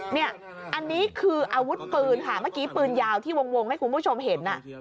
เนี่ยอันนี้คืออาวุธปืนค่ะเมื่อกี้ปืนยาวที่วงให้คุณผู้ชมเห็น